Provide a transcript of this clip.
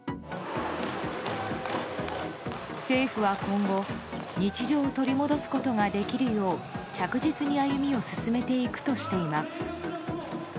政府は今後日常を取り戻すことができるよう着実に歩みを進めていくとしています。